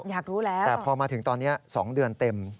แต่พอมาถึงตอนนี้๒เดือนเต็ม